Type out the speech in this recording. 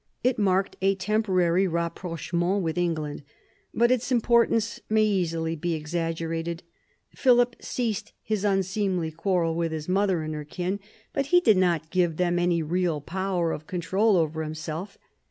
It marked a temporary rapprochement with England. But its importance may easily be exaggerated. Philip ceased his unseemly quarrel with his mother and her kin, but II THE BEGINNINGS OF PHILIP'S POWER 31 he did not give them any real power of control over himself.